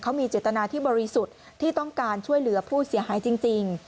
เขามีเจตนาที่บริสุทธิ์ที่ต้องการช่วยเหลือผู้เสียหายจริง